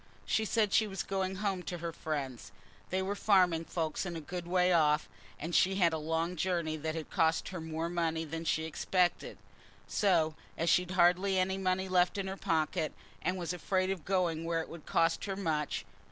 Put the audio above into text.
She said she was going home to her friends: they were farming folks a good way off, and she'd had a long journey that had cost her more money than she expected, so as she'd hardly any money left in her pocket, and was afraid of going where it would cost her much.